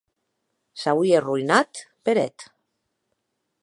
S’auie arroïnat per eth.